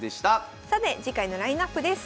さて次回のラインナップです。